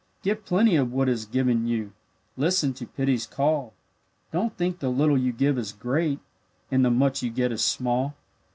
Give plenty of what is given you, Listen to pity's call; Don't think the little you give is great, And the much you get is small.